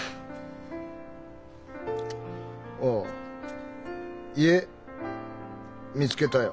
ああ家見つけたよ。